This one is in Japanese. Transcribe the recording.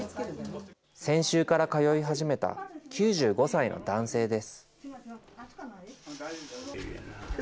先週から通い始めた９５歳の男性です。